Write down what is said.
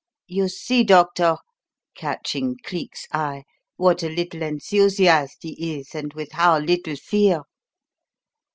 You see, doctor," catching Cleek's eye, "what a little enthusiast he is, and with how little fear."